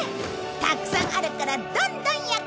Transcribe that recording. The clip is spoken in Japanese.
たくさんあるからどんどん焼こう！